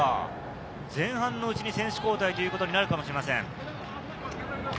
前半のうちに選手交代ということになるかもしれません。